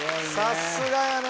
さすがやね